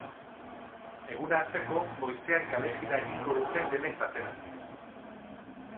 Eguna hasteko, goizean kalejira egingo dute denek batera.